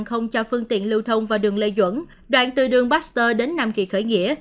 không cho phương tiện lưu thông vào đường lê duẩn đoạn từ đường baxter đến nam kỳ khởi nghĩa